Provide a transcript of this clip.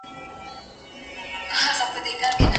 له ځوانانو څخه مي دا غوښتنه ده چي خپل ژوند بېځايه مه تېروئ.